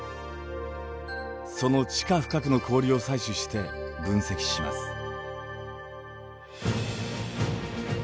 その地下深くの氷を採取して分析します。